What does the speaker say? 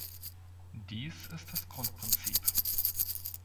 Dies ist das Grundprinzip.